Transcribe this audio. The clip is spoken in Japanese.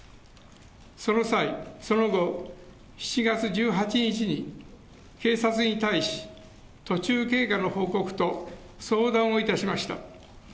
その際、その後７月１８日に警察に対し、途中経過の報告と相談をいたしました。